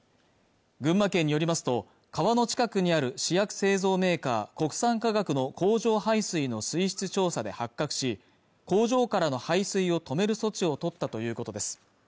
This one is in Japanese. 群馬県によりますと川の近くにある試薬製造メーカー国産化学の工場排水の水質調査で発覚し工場からの排水を止める措置を取ったということです